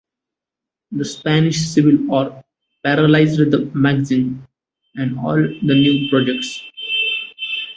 The Spanish Civil War paralyzed the magazine and all the new projects.